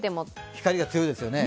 光が強いですよね